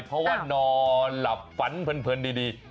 เพราะว่านอนหลับฝันเพลินดี